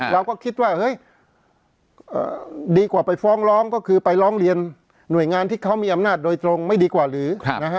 เราก็คิดว่าเฮ้ยดีกว่าไปฟ้องร้องก็คือไปร้องเรียนหน่วยงานที่เขามีอำนาจโดยตรงไม่ดีกว่าหรือนะฮะ